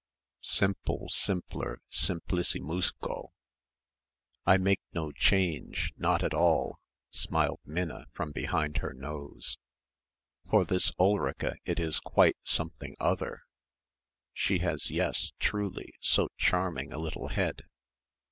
"Simple simpler simplicissimusko!" "I make no change, not at all," smiled Minna from behind her nose. "For this Ulrica it is quite something other.... She has yes truly so charming a little head."